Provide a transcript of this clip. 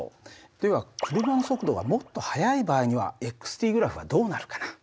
では車の速度がもっと速い場合には−ｔグラフはどうなるかな？